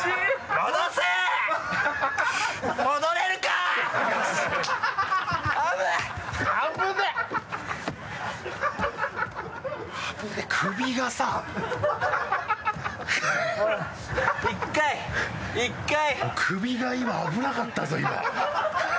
おい首が今危なかったぞ今。